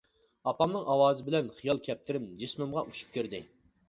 ئاپامنىڭ ئاۋازى بىلەن خىيال كەپتىرىم جىسمىمغا ئۇچۇپ كىردى.